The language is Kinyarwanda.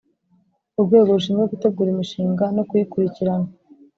Urwego rushinzwe gutegura imishinga no kuyikurikirana